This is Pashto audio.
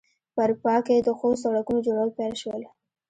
په اروپا کې د ښو سړکونو جوړول پیل شول.